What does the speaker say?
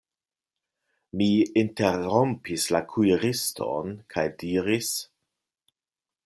Mi interrompis la kuiriston kaj diris: